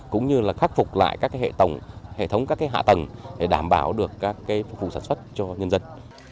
cũng như khắc phục lại các hệ thống các hạ tầng để đảm bảo được phục vụ sản xuất cho nhân dân